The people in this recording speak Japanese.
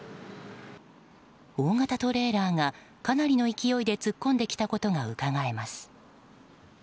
大型トレーラーがかなりの勢いで突っ込んできたことがうかがえます。